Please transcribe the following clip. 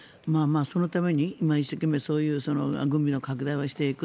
そのために今、一生懸命そういう軍備の拡大をしていく。